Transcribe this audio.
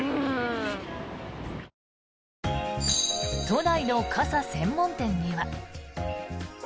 都内の傘専門店には。